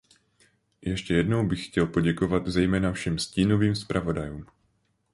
Ještě jednou bych chtěl poděkovat zejména všem stínovým zpravodajům.